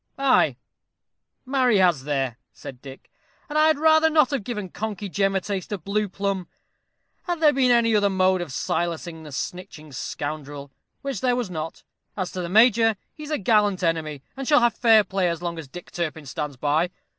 "Ay, marry has there," said Dick, "and I had rather not have given Conkey Jem a taste of blue plumb, had there been any other mode of silencing the snitching scoundrel, which there was not. As to the Major, he's a gallant enemy, and shall have fair play as long as Dick Turpin stands by.